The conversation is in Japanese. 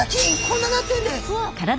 こんななってるんです！